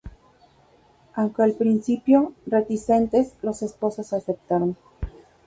Aunque al principio reticentes, los esposos aceptaron.